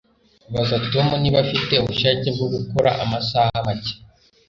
Baza Tom niba afite ubushake bwo gukora amasaha make